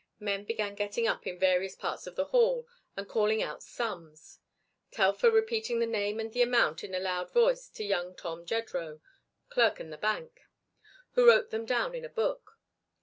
Men began getting up in various parts of the hall and calling out sums, Telfer repeating the name and the amount in a loud voice to young Tom Jedrow, clerk in the bank, who wrote them down in a book.